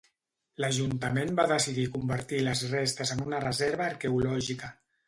L'Ajuntament va decidir convertir les restes en una reserva arqueològica.